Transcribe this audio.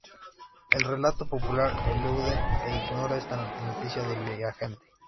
El relato popular elude e ignora esta noticia del viajante.